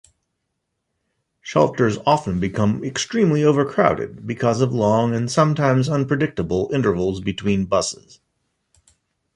Shelters often become extremely overcrowded because of long and sometimes unpredictable intervals between buses.